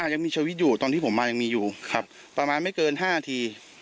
ยังมีชีวิตอยู่ตอนที่ผมมายังมีอยู่ครับประมาณไม่เกิน๕นาที